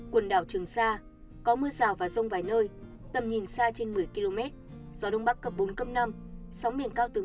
khu vực hoàng sa có mưa vài nơi tầm nhìn xa trên một mươi km gió đông bắc cấp bốn cấp năm sóng miền cao từ một đến hai m